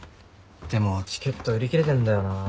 でもチケット売り切れてんだよな。